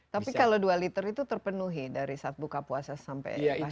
tapi kalau dua liter itu terpenuhi dari saat buka puasa sampai akhir